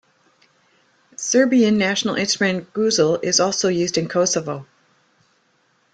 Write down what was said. Serbian national instrument Gusle is also used in Kosovo.